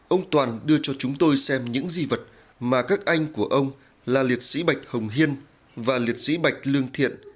ông toàn đưa cho chúng tôi xem những di vật mà các anh của ông là liệt sĩ bạch hồng hiên và liệt sĩ bạch lương thiện